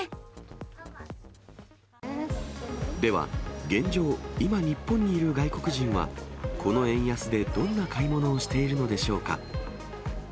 では、現状、今、日本にいる外国人は、この円安でどんな買い物をしているのでしょうか。